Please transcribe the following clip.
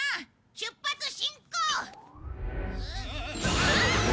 出発進行！